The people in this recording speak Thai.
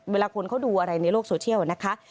เวลาคนเขาดูอะไรในโลกโซเชียลนะคะ